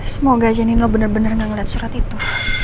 semoga janin lo bener bener gak ngeliat surat itu